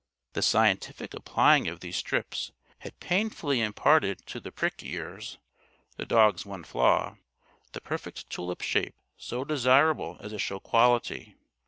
The scientific applying of these strips had painfully imparted to the prick ears (the dog's one flaw) the perfect tulip shape so desirable as a show quality.